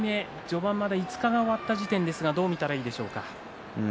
序盤５日が終わった時点でどう見たらいいですか。